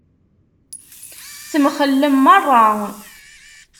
Temxellem meṛṛa.